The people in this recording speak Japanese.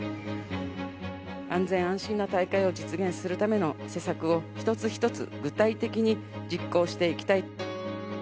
安全安心な大会を実現するための施策を、一つ一つ具体的に実行していきたい。